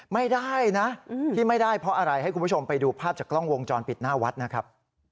ไม่ได้นะที่ไม่ได้เพราะอะไรให้คุณผู้ชมไปดูภาพจากกล้องวงจรปิดหน้าวัดนะครับ